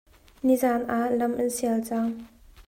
Nizaan ah lam an sial cang.